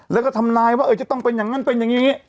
แล้วก็ทำนายว่าจะต้องเป็นอย่างนั้นเป็นอย่างนี้